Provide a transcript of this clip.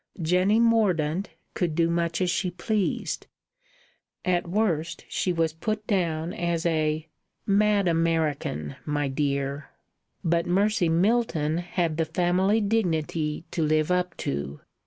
Jenny Mordaunt could do much as she pleased at worst she was put down as a "mad American, my dear"; but Mercy Milton had the family dignity to live up to.